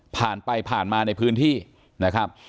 ผ่านไปผ่านมาในพื้นที่นะครับ